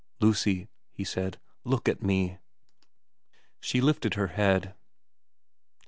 ...' Lucy,' he said, ' look at me ' She lifted her head.